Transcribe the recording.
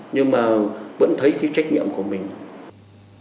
nhưng mà vẫn thấy cái trách nhiệm của mình